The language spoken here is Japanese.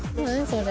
それ。